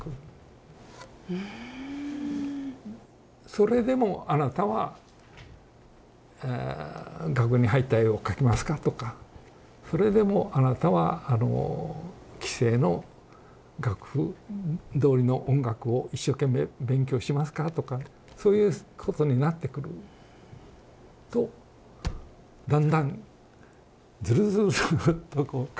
「それでもあなたは額に入った絵を描きますか？」とか「それでもあなたは既成の楽譜どおりの音楽を一生懸命勉強しますか？」とかねそういうことになってくるとだんだんずるずるずるっとこう拡大していったんですよ。